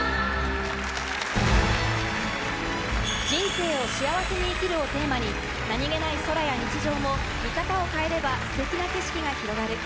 「人生を幸せに生きる」をテーマに何げない空や日常も見方を変えればステキな景色が広がる。